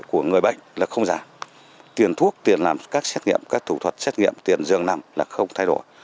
của người bệnh là không giảm tiền thuốc tiền làm các xét nghiệm các thủ thuật xét nghiệm tiền dường nằm là không thay đổi